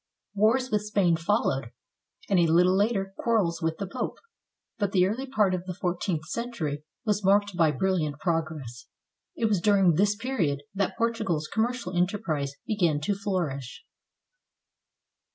Wars with Spain followed, and a little later quarrels with the Pope; but the early part of the fourteenth century was marked by brilliant progress. It was during this period that Portugal's commercial enterprise began to flourish.